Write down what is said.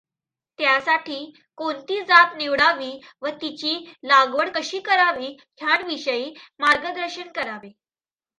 त्यासाठी कोणती जात निवडावी व तिची लागवड कशी करावी ह्यांविषयी मार्गदर्शन करावे.